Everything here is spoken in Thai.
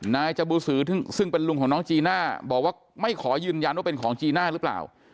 นายจบูสือซึ่งเป็นลุงของน้องจีน่าบอกว่าไม่ขอยืนยันว่าเป็นของจีน่าหรือเปล่า